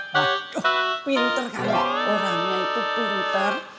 aku pinter kalau orangnya itu pinter